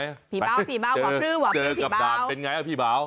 พี่เบาพี่เบาหวับรื่อหวับพี่เบาเจอกับด่านเป็นไงพี่เบา